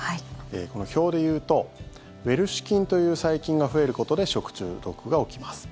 この表でいうとウエルシュ菌という細菌が増えることで食中毒が起きます。